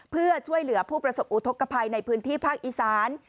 เพื่อช่วยเหลือผู้ประสบอุทธกภัยในพื้นที่ภาคอีสาน